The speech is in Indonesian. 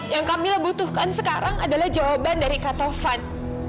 yang kak mila butuhkan sekarang adalah jawaban dari kak tovan